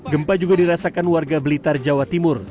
gempa juga dirasakan warga blitar jawa timur